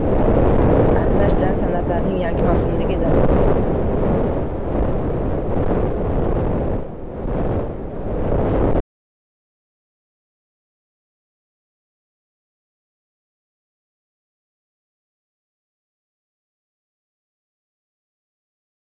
Mastura aya yana kelin qidirishga tushdi